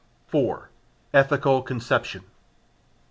4. Ethical Conception.